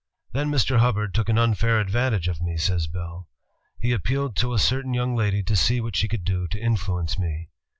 "Then Mr. Hubbard took an unfair advantage of me,'' says Bell. "He appealed to a certain young lady to see what she could do to influence me."